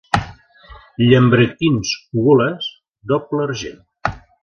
Llambrequins gules, doble argent.